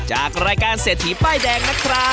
จากรายการเศรษฐีป้ายแดงนะครับ